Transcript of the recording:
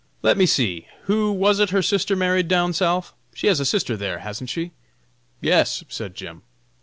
Let me see, who was it her sister married down South? She has a sister there, hasn't she?" "Yes," said Jim.